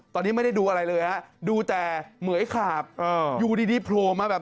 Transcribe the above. ตอนนี้ไม่ได้ดูอะไรเลยดูแต่เหมือยขาบยูดีดิพลม